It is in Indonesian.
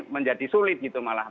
menjadi sulit gitu malah